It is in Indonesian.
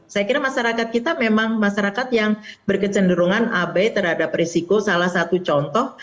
saya kira masyarakat kita memang masyarakat yang berkecenderungan abai terhadap risiko salah satu contoh